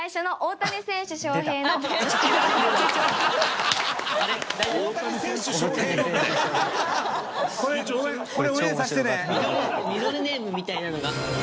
ミドルミドルネームみたいなのが。